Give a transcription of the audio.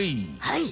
はい。